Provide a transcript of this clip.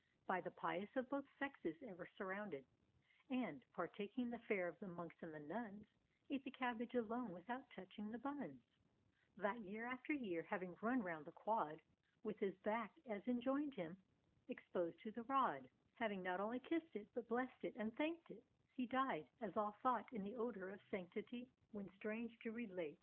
By the pious of both sexes ever surrounded, And, partaking the fare of the Monks and the Nuns, Ate the cabbage alone without touching the buns; — That year after year, having run round the Quad With his back, as enjoin'd him, exposed to the rod, Having not only kissed it, but blcss'd it and thank'd it, be Died, as all thou^t in the odour of sanctity. D,gt,, erihyGOOglC The Ingoldiby Penance 99 When, — strange to relate!